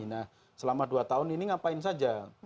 nah selama dua tahun ini ngapain saja